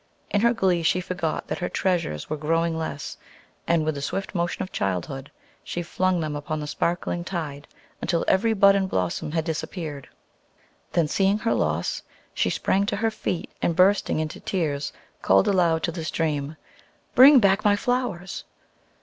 In her glee she forgot that her treasures were growing less, and with the swift motion of childhood, she flung them upon the sparkling tide, until every bud and blossom had disappeared. Then, seeing her loss, she sprang to her feet, and bursting into tears, called aloud to the stream, "Bring back my flowers!"